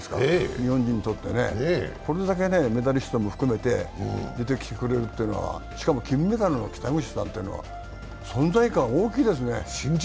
日本人にとって、これだけメダリストも含めて出てきてくれるしかも金メダルの北口なんていうのは存在感が大きいですね。